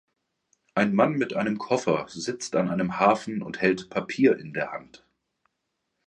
Ein Mann mit einem Koffer sitzt an einem Hafen und hält Papier in der Hand.